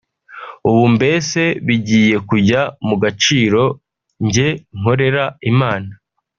ubu mbese bigiye kujya mu gaciro njye nkorera Imana